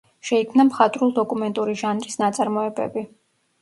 შეიქმნა მხატვრულ-დოკუმენტური ჟანრის ნაწარმოებები.